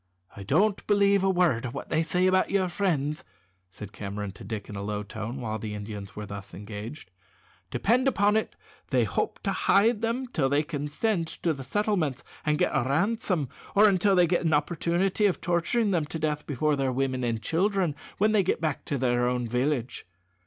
"I don't believe a word of what they say about your friends," said Cameron to Dick in a low tone while the Indians were thus engaged. "Depend upon it they hope to hide them till they can send to the settlements and get a ransom, or till they get an opportunity of torturing them to death before their women and children when they get back to their own village.